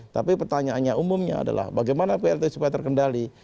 tapi pertanyaannya umumnya adalah bagaimana plt supaya terkendali